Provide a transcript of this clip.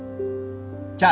じゃああ